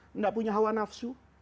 tidak punya hawa nafsu